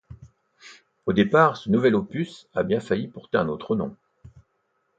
Au départ, ce nouvel opus a bien failli porter un autre nom.